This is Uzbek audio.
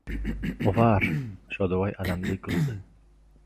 — Ovar! — Shodivoy alamli kuldi.